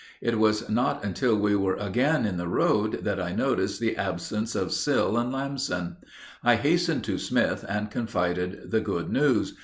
It was not until we were again in the road that I noticed the absence of Sill and Lamson. I hastened to Smith and confided the good news.